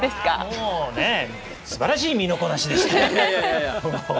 もうね、すばらしい身のこなしでした。